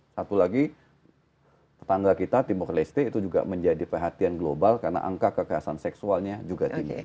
satu lagi tetangga kita timur leste itu juga menjadi perhatian global karena angka kekerasan seksualnya juga tinggi